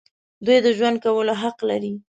دوی د ژوند کولو حق لري.